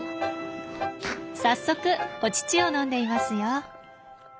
早速お乳を飲んでいますよ。